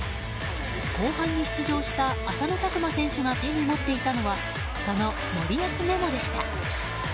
後半に出場した浅野拓磨選手が手に持っていたのはその森保メモでした。